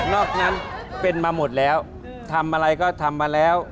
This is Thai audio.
อกนั้นเป็นมาหมดแล้วทำอะไรก็ทำมาแล้ว